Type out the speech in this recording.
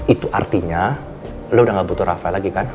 itu artinya lo udah gak butuh rafael lagi kan